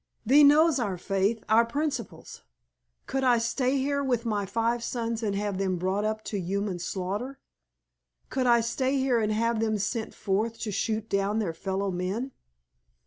Thee knows our faith, our principles. Could I stay here with my five sons and have them brought up to human slaughter? Could I stay here and have them sent forth to shoot down their fellow men?"